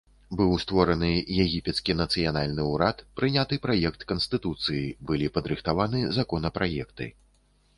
Быў створаны егіпецкі нацыянальны ўрад, прыняты праект канстытуцыі, былі падрыхтаваны законапраекты.